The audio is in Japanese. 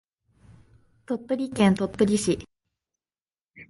鳥取県鳥取市